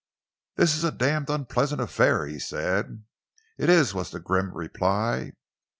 "This is a damned unpleasant affair," he said. "It is," was the grim reply.